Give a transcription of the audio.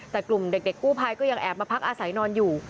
แต่กลุ่มเด็กกู้ภัยก็ยังแอบมาพักอาศัยนอนอยู่